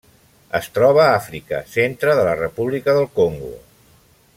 Es troba a Àfrica: centre de la República del Congo.